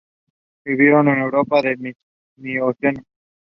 It was the main settlement on the goldfield prior to the founding of Deptford.